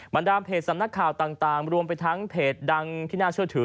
บรรดามเพจสำนักข่าวต่างรวมไปทั้งเพจดังที่น่าเชื่อถือ